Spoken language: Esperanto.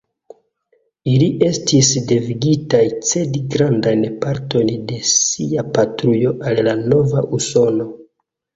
Ili estis devigitaj cedi grandajn partojn de sia patrujo al la nova Usono.